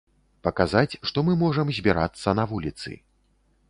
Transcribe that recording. Паказаць, што мы можам збірацца на вуліцы.